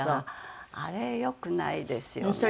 あれ良くないですよね。